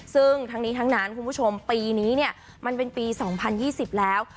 ซึ่งทั้งนี้ทั้งนั้นคุณผู้ชมปีนี้เนี่ยมันเป็นปี๒๐๒๐แล้ว